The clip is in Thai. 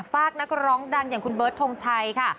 ฝากนักร้องดังอย่างคุณเบิร์ดทงชัยค่ะ